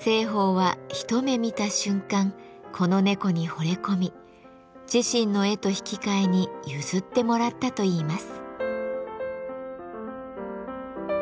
栖鳳は一目見た瞬間この猫にほれ込み自身の絵と引き換えに譲ってもらったといいます。